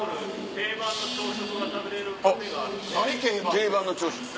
定番の朝食。